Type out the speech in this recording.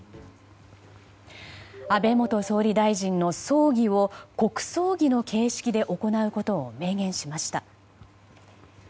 安倍元総理大臣の葬儀を国葬儀の形式で行うことを明言しました。